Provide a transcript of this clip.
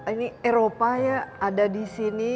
ini eropa ya ada di sini